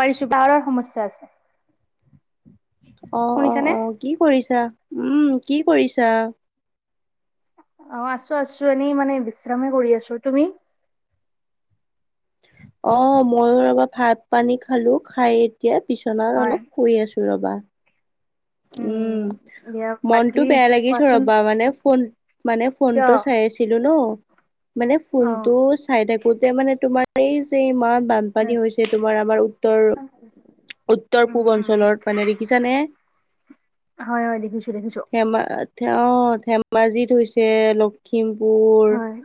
পাৰিছোঁ বাহৰৰ সমস্যা আছে। অ' অ' শুনিছানে অ' কি কৰিছা। উম, কি কৰিছা। অ আছো আছো এনেই মানে বিশ্ৰামে কৰি আছো তুমি অ মইো ৰবা ভাত পানী খালো খাই এতিয়া বিছনা হয় অলপ শুই আছো ৰবা উম দিয়া মনটো বাকী বেয়া লাগি থ কোৱাচোন ৰবা মানে ফোন মানে কিয় ফোনটো অ চাই আছিলো ন মানে ফোনটো চাই থাকোতে মানে তোমাৰ এই যে ইমান হয়। বানপানী হৈছে তোমাৰ আমাৰ উত্তৰ উম উত্তৰ পূব উম অঞ্চলত মানে দেখিছানে হয় হয় দেখিছো দেখিছো ধেমা অ ধেমাজিত হৈছে লখিমপুৰ হয়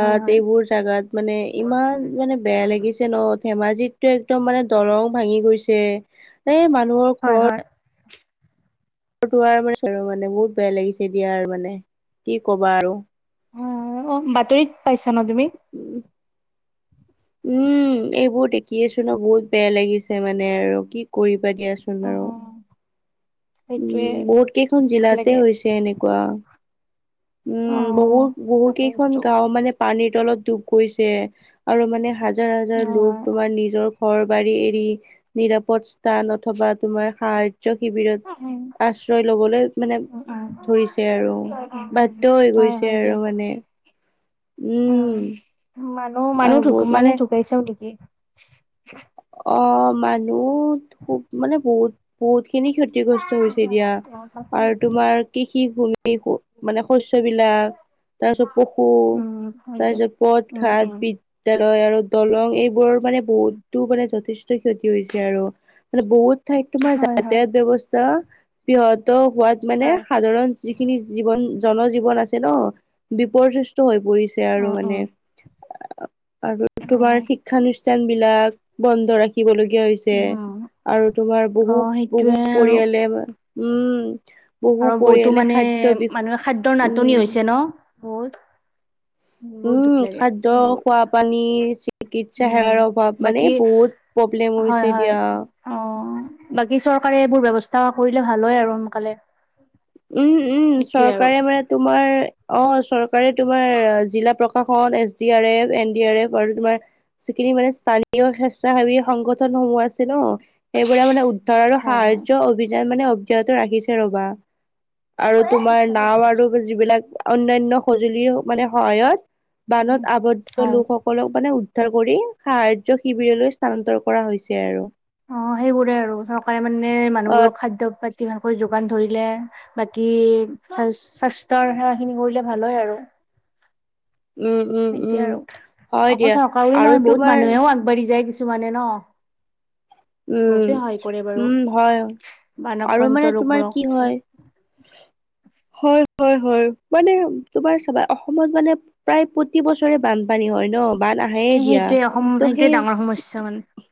হয় হয় এইবোৰ জোগাত মানে ইমান মানে বেয়া লাগিছে ন ধেমাজিত টো একদম মানে দৰং ভাঙি গৈছে এই মানুহৰ হয় ঘৰত হয় মানে বহুত বেয়া লাগিছে দিয়া মানে কি কবা আৰু অ অ বাতৰিত পাইছা ন তুমি উম এইবোৰ দেখিয়েছো ন বহুত বেয়া লাগিছে মানে আৰু কি কৰিব কিব দিয়াচোন অ আৰু সেইটোৱে উম বহুত কেইখন দুখ জিলাতে লাগে হৈছে এনেকুৱা উম অ বহুত বহু কেইখন তাকেইতো গাও মানে পানীৰ তলত ডুব গৈছে আৰু মানে হাজাৰ হাজাৰ হয় লোক তোমাৰ নিজৰ ঘৰ বাৰী এৰি নিৰাপদ স্থান অথবা তোমাৰ সাৰ শিবিৰত আশ্ৰয় লবলৈ মানে ধৰিছে আৰু হয় বাধ্ হৈ হয় গৈছে হয় দিয়া আৰু মানে উম অ মানুহ আৰু ঢু বহুত মানে ঢুকাইছেও নেকি অ মানুহ খুব মানে বহুত বহুত খিনি ক্ষতিগ্ৰস্ত হৈছে এতিিয়য়া আৰু উম তোমাৰ কৃষি ভূমি মানে শস্য়বলাক তাৰ পিছত পশু হয় দিয়ক। তাৰপিছত পথ উম ঘাট উম। বিদ্্যালয় আৰু দলং এইবোৰ মানে বহুতো যথেষ্ট ক্ষতি হৈছে আৰু মানে বহুত ঠাইত তোমাৰ হয় হয় যাতায়াত ব্য়ৱস্থা ব্যহত হোৱাত মানে হয়। সাধাৰণ যিখিনি জীৱন জনজীৱন আছে ন বিপৰ্যয়স হৈ পৰিছে আৰু উম উম মানে আৰু তোমাৰ শিক্ষানুষ্ঠান বিলাক বন্ধ ৰাখি শিকিবলগীয়া হৈছে উম আৰু তোমাৰ অ বহু বহু সেইটোয়ে আৰু পৰিয়ালে উম বহু আৰু বহুতো পৰিয়ালে মানে খাদ্য বি মানুহে খাদ্্যৰ নাটনি উম হৈছে ন বহুত বহুত দুখ উম, লাগে খাদ্য সেইবোৰ খোৱা পানী চিকিৎসা উম সেৱাৰ অভাৱ মানে বাকী বহুত প্ৰব্লেম হয় হৈছে - হয় দিয়া। অ, বাকী চৰকাৰে এইবোৰ ব্যৱস্থা কৰিলে ভাল হয় আৰু সোনকালে। উম - উম সেইটোয়ে আৰু চৰকাৰে মানে তোমাৰ অ, চৰকাৰে তোমাৰ জিলা প্ৰ কাশনত সন S D R F, N D R F আৰু তোমাৰ যিখিনি মানে স্থানীয় স্বেচ্ছাসেৱী সংগঠন সমূহ আছে ন সেইবোৰে মানে ধৰো হয় হয়। সাহাৰ্য অভিযান মানে অব্যাহত ৰাখিছে ৰবা। আৰু তোমাৰ নাও আৰু যিবিলাক অন্যান্য সঁজুলি মানে সহায়ত উম বানত আৱদ্ধ হয় লোকসকলক মানে উদ্ধাৰ কৰি সাহায্য শিবিৰলৈ স্থানান্তৰ কৰা হৈছে আৰু। অ, সেইবোৰে আৰু চৰকাৰে মানে অ মানুহবোৰক খাদ্য পাতি ইমানকৈ যোগান ধৰি বাকী স্বাস্থ্যৰ সেৱা খিনি কৰিলে ভাল হয় আৰু। উম উম এতিয়া উম আৰু হয় অকল দিয়া চৰকাৰৰে আৰু নহয় বহুত তোমাৰ মানুহেও আগবাঢ়ি যায় কিছু মানে ন। উম বহতে সহায় কৰে বাৰু উম হয় আৰু মানে মানৱন্ত তোমাৰ কি লোকবোৰক হয় [inaudible] হয় - হয় - হয় মানে তোমাৰ চাবা অসমত মানে প্ৰায় প্ৰতি বছৰে বানপানী। হয় ন বান আহাহে এ দিয়া সেইটোয়ে অসম ত' সেইটোয়ে ডাঙৰ সমস্যা মানে সেই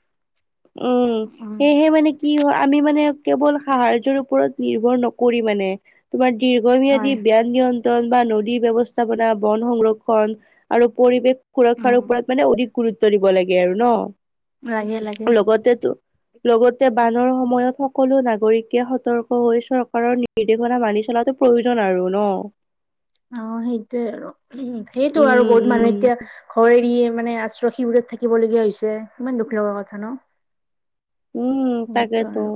উম, উম সেয়েহে মানে কি হয় আমি মানে কেৱল সাহাৰ্যৰ ওপৰত নিৰ্ভৰ নকৰি মানে তোমাৰ দীৰ্ঘম্যাদী হয় ব্যান নিয়ন্ত ন বা নদী ব্যৱস্থাপনা বন সংৰক্ষণ আৰু পৰিৱেশ সুৰক্ষাৰ উম ওপৰত মানে অধিক গুৰুত্ব দিব লাগে আৰু ন। লাগে - লাগে। লগতেতো লগতে বানৰ সময়ত সকলো নাগৰিকে সতৰ্ক হৈ চৰকাৰৰ নিৰ্দেশনা মানি চলাটো প্ৰয়োজন আৰু ন। অ, সেইটোয়ে আৰু সেইটো আৰু উম বহুত উম মানুহে এতিয়া ঘৰ এৰি মানে আশ্ৰয় শিবিৰত থাকিবলগীয়া হৈছে ইমান দুখ লগা কথা ন। উম, সেনেকুৱা তাকেইতো। আৰু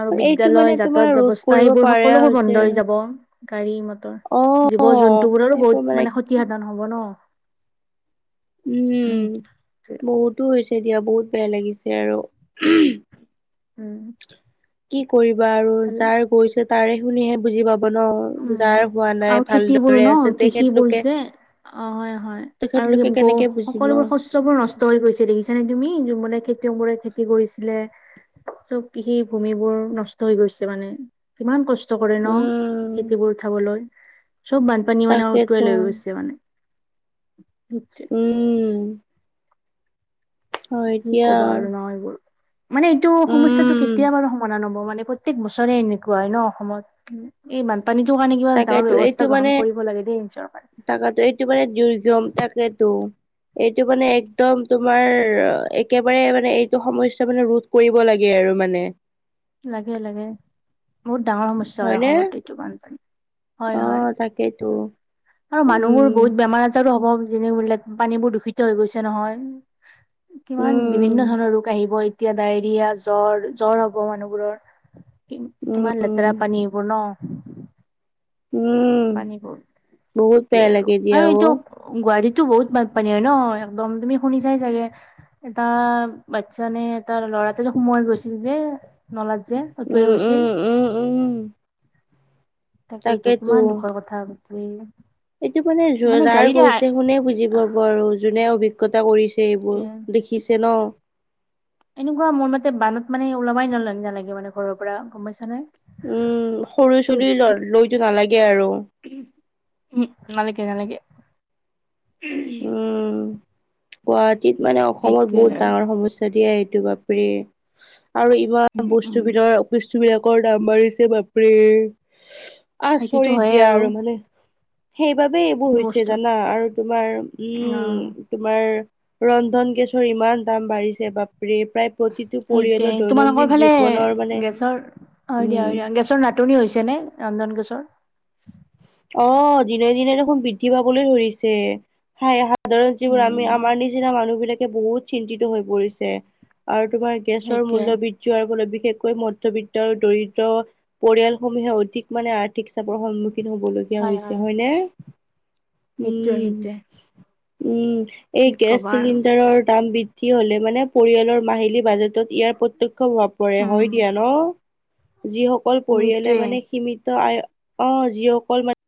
আৰু এইটো বিদ্যালয় মানে তোমাৰ যাতায়াত ৰোধ ব্যৱস্থা কৰিব সেইবোৰ পাৰা সকলোবোৰ বন্ধ হৈছে হৈ আৰু। যাব গাড়ী মটৰ অ জীৱ জন্তু বোৰ আৰু বহুত মানে ক্ষতি সাধন হ'ব ন। উম, বহুতো হৈছে দিয়া বহুত বেয়া লাগিছে আৰু। উম, কি কৰিবা আৰু ভাল যাৰ গৈছে তাৰে শুনিহে বুজি পাব। ন উম যাৰ হোৱা আৰু নাই খেতিবোৰ ভালদৰে আছে ন কৃষিবোৰ তেখেতলোকে যে অ, হয় - হয় আৰু তেখেতলোকে গ' কেনেকে বুজিব সকলোবোৰ শস্যবোৰ নষ্ট হৈ গৈছে দেখিছা নে তুমি মান তেও মোৰে খেতি কৰিছিলে। চব সেই ভূমিবোৰ নষ্ট হৈ গৈছে মানে কিমান কষ্ট কষ্ট কৰি ন উম খেতিবোৰ উঠাবলৈ। চব বানপানী মানে উটুৱাই তাকেতো লৈ গৈছে মানে। অ, কি এতিয়া ক'বা আৰু ন এইবোৰ মানে এইটো সমস্যয়াটো উম কেতিয়া বাৰু সমাধান হ'ব মান। মান প্ৰত্যেক বছৰে এনেকুৱা হয় ন অসমত এই মান পানীটোৰ কাৰণে কিবা ডাঙৰ তাকেতো ব্যৱস্থা গ্ৰহণ কৰিব লাগে দেই চৰকাৰে। থাকাতো এইটো মানে দুৰ্গম তাকেইতো এইটো মানে একদম তোমাৰ একেবাৰে মানে এইটো সমস্যা মানে ৰোধ কৰিব লাগে আৰু মানে। লাগে - লাগে বহুত ডাঙৰ সমস্যা হয় হয়নে অসমত এইটো বানপানী। হয় অ - হয় তাকেইতো আৰু মানুহবোৰ উম, বহুত বেমাৰ আজাৰ হ'ব যেনে বলোক পানী বোৰ দূষিত হৈ গৈছে নহয়। কিমান বিভিন্ন উম, ধৰণৰ ৰোগ আহিব এতিয়া ডায়েৰিয়া জ্বৰ - জ্বৰ হব। মানুহবোৰৰ কি উম, কিমান লেতেৰা পানী এইবোৰ ন। উম। পানীব বহুত বেয়া আৰু লাগে দিয়া আৰু এইটো অ', গুৱাৰীত টো বহুত বানপানী হয় ন এক্দম তুমি শুনিছাই চাগে এটা বাচ্ছা নে এটা লৰাটো সোমোৱাই গৈছিল যে নলাত যে উতুৱাই উম, উম, গৈছিল। উম, উম, তাকে এইটো তাকেতো। কিমান দুখৰ কথা। এইটো মানে য যাৰ কৈছে কোনে বুজি পাব আৰু যোনে অভিজ্ঞতা কৰিছে। সেইটোৱে সেইবোৰ দেখিছে ন। এনেকুৱা মোৰ মতে বানত মানে ওলমাই ন নালাগে মানে ঘৰৰ পৰা গমাইছা নে। উম সৰু চুলি ল লৈতো নালাগে আৰু। উম নালকে নালকে। উম, গুৱাহাটীত মানে অসমত সেইটোৱে বহুত আৰু ডাঙৰ সমস্যা দিয়ে সেইটো বাপৰি। আৰু ইমান উম বস্তু উম বিধৰ বস্তু বিলাকৰ দাম বাঢ়িছে বাপৰি। সেইটোতো আচৰিত হয়ে দিয়া আৰু মানে সেইবাবেেই এইবোৰ হৈছে বস্তু জানা আৰু তোমাৰ অ। উম তোমাৰ ৰন্ধন গেছৰ ইমান দাম বাঢ়িছে বাপ যে প্ৰায় প্ৰতিটো পৰিয়ালৰ সেইটোৱে তোমালোকৰ দৈনন্দিন ফালে জীৱনৰ মানে- গেছৰ হয় দিয়া উম দিয়া, গেছৰ নাটনি হৈছে নে ৰন্ধন গেছৰ। অ দিনে দিনে দেখোন বৃদ্ধি পাবলৈ ধৰিছে হাই হ সাধাৰণ যিবোৰ আমি আমাৰ নিচিনা মানুহ বিলাকে বহুত চিন্তিত হৈ পৰিছে আৰু। তোমাৰ গেছৰ সেইটোৱে মূল্য বৃদ্ধিৱাৰ উপলব বিশেষকৈ মধ্য বৃত্ত আৰু দৰিদ্ৰ পৰিয়ালসমূহে অধিক মানে আৰ্থিক চাপৰ সন্মুখীন হ'ব ললীয়া হৈছে হয় নে সেইটোৱে উম সেইটোৱে উম। এই কি গেছ কবা আৰু চিলিণ্ডাৰৰ দাম বৃদ্ধি হলে মানে পৰিয়ালৰ মাহিলী বাজেট ইয়াৰ প্ৰত্ক্ষ প্ৰভাৱ পৰে হয় উম দিয়া ন। যিসকল পৰিয়ালে সেইটোৱে মানে সীমিত ত আ অ। যিসকল মান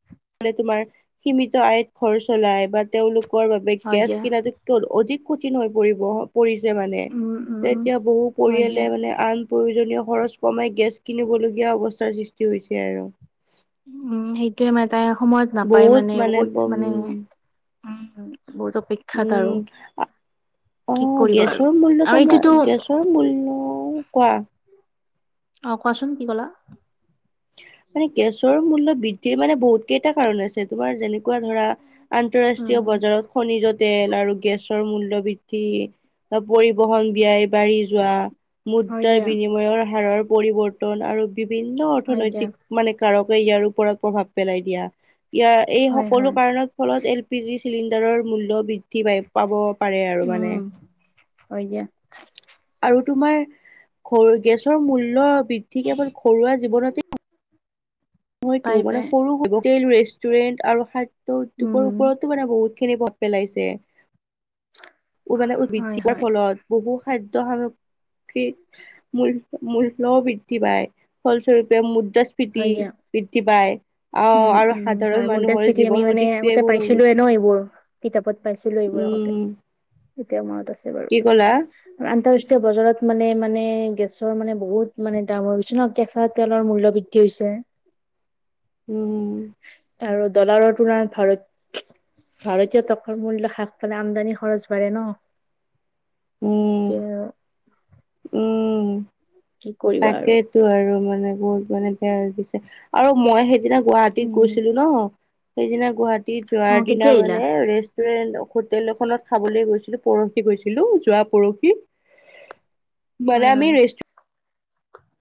তোমাৰ সীমিত আইত ঘৰ চলাই বা তেওঁলোক ৰ বাবে হয় গেছ দিয়া কিনাটো অধিক কঠিন হৈ পৰিব পৰিছে মানে উম উম তে উম এতিয়া বহু হয় দিয়া পৰিয়ালে মানে আন প্ৰয়োজনীয় খৰচ কমাই গেছ কিনিবলগীয়া অৱস্থাৰ সৃষ্টি হৈছে আৰু। উম সেইটোয়ে মানে তাই সময়ত নাপায় মানে বহুত মানে উম। বহুত অপেক্ষাত আৰু। কি আহ কৰিবা আৰু গেছৰ মূল্য আৰু এইটোতো তাৰমাৰ গেছৰ মূল্য কোৱা। অ কোৱাচোন কি ক'লা? মানে গেছৰ মূল্য বৃদ্ধিৰ মানে বহুত কেইটা কাৰণ আছে তোমাৰ যেনে ধৰা আন্তৰাষ্ট্ৰীয় উম বজাৰত খনিজৰ তেল আৰু গেছ মূল্য বৃদ্ধি পৰিবহন ব্যয় বাঢ়ি যোৱা হয় মুদ্ৰাৰ দিয়া বিনিময়ৰ হাৰৰ পৰিৱৰ্তন আৰু বিভিন্ন অ হয় দিয়া মানে কাৰকে ইয়াৰ ওপৰত প্ৰভাৱ পেলাই দিয়া। ইয়াৰ এই হয় সকলো হয় কাৰণৰ ফলত এল পি জি চিলিণ্ডাৰৰ মূল্য বৃদ্ধি পাই পাব পাৰে আৰু উম মানে। হয় দিয়া তোমাৰ গেছৰ মূল্য বৃদ্ধি কেৱল ঘৰুৱা জীৱনতে হয়তো পাই মানে পাই সৰু হ'ব ৰেষ্টুৰেন্ট আৰু খা দ্য উদ্যোগৰ উম ওপৰতো মানে বহুত খিনি প্ৰভাৱ পেলাইছে। মানে হয় উদভিদ্ধি হোৱাৰ হয় ফলত বহু খাদ্য সামগ্ৰিক মূল মূল্যও বৃদ্ধি পায় ফলস্বৰূপে মুদ্ৰাস্ফীতি হয় দিয়া বৃদ্ধি পায়। আহ উম আৰু উম সাধাৰণ হয় মুদ্ৰা মানুহৰ স্ফিতি আমি জীৱন মানে অধিক আগতে ব্যয়বহুল হৈ পাইছিলোয়ে উঠে। ন এইবোৰ। কিতাপত পাইছিলো এইবোৰ আগতে উম এতিয়াও মনত আছে বাৰু কি ক'লা আৰু আন্তৰাষ্ট্ৰীয় বজাৰত মানে মানে গেছৰ মানে বহুত মানে দাম হৈ গৈছে ন কেঁচা তেলৰ মূল্য বৃদ্ধি হৈছে। উম আৰু ডলাৰৰ তুলনাত ভাৰত ভাৰতীয় তকৰৰ মূল্য হাস পালে আমদানি খৰচ বাঢ়ে ন। উম কি উম। কি কৰিবা আৰু তাকেইটো আৰু মানে বহুত মানে বেয়া হৈ গৈছে আৰু মই সেইদিনা গুৱাহাটীত উম গৈছিলো ন সেইদিনা গুৱাহাটীত অ যোৱাৰ দিনা কেতিয়া আহিলা মানে ৰে ৰেষ্টুৰেন হোটেল এখনত খাবলৈ গৈছিলো পৰহি গৈছিলো যোৱা পৰহি হয় বনামি হয় ৰেষ্টু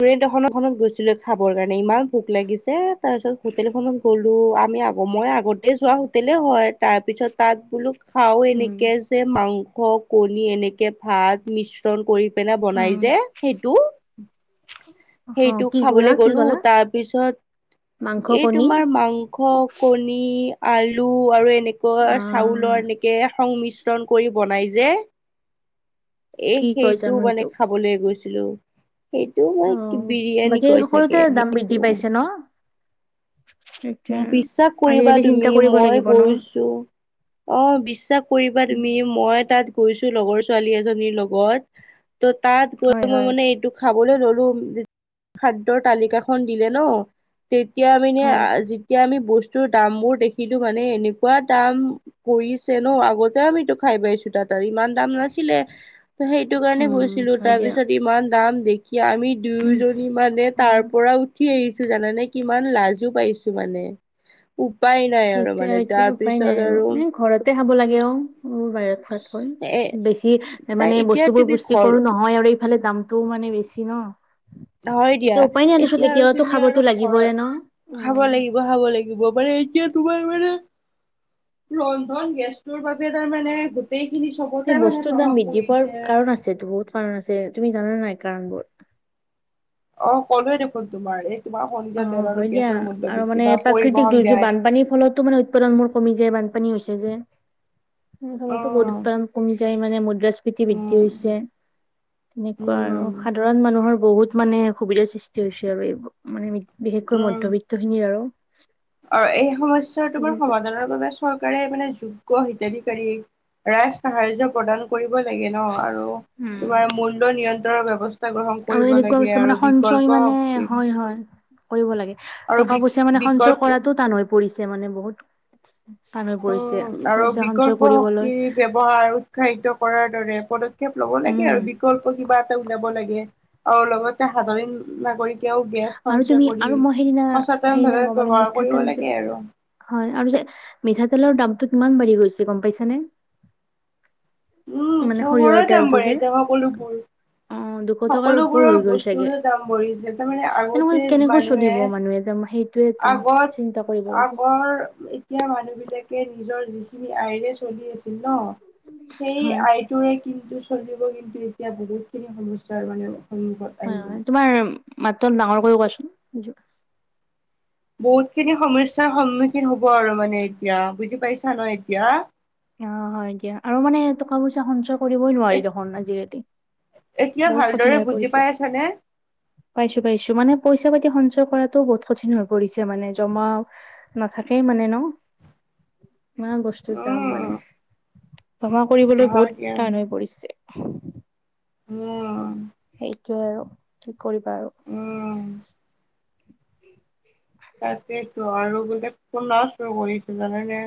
ৰেুন্ট এখনত গৈছিলো খাবৰ কাৰণে ইমান ভোক লাগিছে তাৰ পিছত হোটেলখনত গ'লো বোলো আমি আগ মই আগতে যোৱা হোটেলে হয় তাৰ পিছত তাত বোলো খাও উম এনেকে যে মাংস কণী এনেকে ভাত মিশ্ৰণ কৰি পেনে অ বনাই যে সেইটো অ সেইটো কি কলা খাবলৈ কি গ'লো কলা তাৰপিছত মাংস এই কণী তোমাৰ মাংস, কণী আলু আৰু অ এনেকুৱা চাউলৰ এনেকে সংমিশ্ৰণ কৰি বনাই যে এ কি কয় সেইটো জানো মানে খাবলে গৈছিলো। সেইটো অ মই বিৰিয়ানী বাকী কয় সকলোতে চাগে দাম বৃদ্ধি সেইটো। পাইছে ন? সেইটোৱে আৰু বিশ্বাস কৰিবা আজিকালি চিন্তা তুমি কৰিব মই লাগিব ন? গৈছো অ বিশ্বাস কৰিবা তুমি মই তাত গৈছোঁ লগৰ ছোৱালী এজনীৰ লগত ত তাত গৈ হয়, মই হয়, মানে এইটো খাব বলে ললো খাদ্যৰ তালিকাখন দিলে ন তেতিয়া মানে হয়, আজ আমি বস্তুৰ দামবোৰ দেখিলো মানে এনেকুৱা দাম পৰিছে ন আগতে আমিতো খাই পাইছো তাত ইমান দাম নাছিলে সেইটো কাৰণে উম, গৈছিলো হয় তাৰ দিয়া। পিছত ইমান দাম সিয়া আমি দুয়োজনী মানে তাৰ অ', পৰা উঠি আহিছো জানানে কিমান লাজো পাইছো মানে উপায় নাই সেইটোৱে মানে আৰু তাৰ এতিয়া উপায় পিছত নাই আৰু মানে ঘৰতে খাব লাগে অ' এইবোৰ বাহিৰত খোৱাতকৈ এ বেছি তাই মানে এতিয়া বস্তুবোৰ তুমি পুষ্টি ঘৰ কৰো নহয় আৰু এইফালে দামটোও মানে বেছি ন। হয় দিয়া এতিয়া উপায় নাই দেচোন এতিয়া আৰু কেতিয়াবাতো তুমি খাবতো আৰু লাগিবই ন? ঘৰত খাব উম। লাগিব খাব লাগিব, মানে এয়া তোমাৰ মানে, ৰন্ধন গেছটোৰ বাবে তাৰমানে গোটেইখিনি চবতে সেই মানে বস্তুৰ দাম প্ৰভাৱ বৃদ্ধি পোৱাৰ পৰিছে। কাৰণ আছেটো বহুত কাৰণ আছে, তুমি জানানে নাই কাৰণবোৰ? অ ক'লোৱে দেখোন তোমাৰ এই তোমাৰ খনিজ অঁ তেল আৰু হয় দিয়া গেছৰ মূল্য আৰু বৃদ্ধি মানে বা প্ৰাকৃতিক পৰিবহন দুৰ্যোগ ব্যয়। বানপানীৰ ফলতো মানে উৎপাদন মোৰ কমি যায় বানপানী হৈছে সতো বহুত উম উৎপাদন কমি যায় মানে মদ্ৰাছ বৃত্তি বৃদ্ধি হৈছে উম তেনেকুৱা আৰু উম সাধাৰণ মানুহৰ বহুত মানে সুবিধাৰ সৃষ্টি হৈছে আৰু এইবোৰ, মানে বিশেষকৈ মধ্যবিত্তখিনিৰ আৰু অ এই সমস্যাটোৰ পৰা সমাধানৰ বাবে চৰকাৰে মানে যু হিতাধিকাৰীয়ে ৰাইজ সাহাৰ্য প্ৰদান কৰিব লাগে না ৰু উম তোমাৰ মূল্য নিয়ন্ত্ৰণৰ বৱস্থা আৰু এনেকুৱা বস্তু মানে সঞ্চয় মানে, শক্তি হয় হয় কৰিব লাগে। আৰু টকা পইচা মানে সঞ্চয় বিকল্প কৰাটো টান হৈ পৰিছে মানে বহুত টান হৈ পৰিছে উম আৰু পইচা সঞ্চয় বিকল্প কৰিবলৈ শক্তিৰ ব্যৱহাৰ উৎসাহিত কৰাৰ দৰে পদক্ষেপ লব লব লাগে উম আৰু বিকল্প কিবা এটা উলিয়াব লাগে আৰু লগতে সাধাৰণ নাগৰিকে এতিয়াও গেছ আৰু তুমি সঞ্চয় আৰু কৰি মই সেইদিনা সচেতন সেইদিনা ভাৱে গম পালো ব্যৱহাৰ মিঠাতেল কৰিব যে লাগে আৰু হয় আৰু যে মিঠাতেলৰ দামটো কিমান বাঢ়ি গৈছে গম পাইছানে উম, মানে সৰিয়হৰ চবৰে দাম তেলটো যে বাঢ়িছে সকলোবোৰ। অ দুশ টকাৰ ওপৰ সকলোবোৰৰ হৈ গ'ল চাগে। বস্তুৰো দাম বঢ়িছে তাৰমানে তেনেকৈ আগতে কেনেকৈ মানুহে চলিব মানুহে যে সেইটোৱেটো আগত, চিন্তা কৰিব লাগিব। আগৰ, এতিয়া মানুহবিলাক নিজৰ যিখিনি আইৰে চলি আছিল ন, সেই হয় আইটোৰে কিন্তু চলিব কিন্তু এতিয়া বহুতখিনি সমস্যাৰ মানে সন্মুখত আহিব মাত্ৰ ডাঙৰ কৈ কোৱাচোন। বহুত খিনি সমস্যাৰ সন্মুখীন হব আৰু মানে এতিয়া বুজি পাইছা ন এতিয়া? অ হয় দিয়া আৰু মানে টকা-পইচা সঞ্চয় কৰিবই নোৱাৰি দেখোন আজিকালি এতিয়া বহুত কঠিন ভালদৰে হৈ বুজি পৰিছে। পাই আছানে? পাইছো পাইছো, মানে পইচা-পাতি সঞ্চয় কৰাটো বহুত কঠিন হৈ পৰিছে মানে জমা নাথাকেই মানে ন ন গসষ্টতিে আম মানে উম জমা কৰিবলৈ হয় বহুত দিয়া টান হৈ পৰিছে উম সেইটোৱে আৰু কি কৰিবা আৰু উম তাকেইতো আৰু গো ক নচ কৰিছো জানে নে